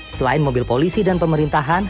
selain mobil polisi dan pemerintahan